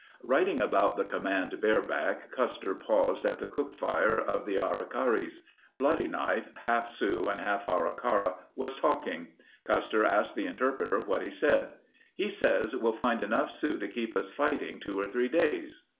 Riding about the command bareback, Custer paused at the cookfire of the Arikaras. Bloody Knife, half Sioux, half Ankara, was talking. Custer asked the interpreter what he said. "He says we'll find enough Sioux to keep us fighting two or three days."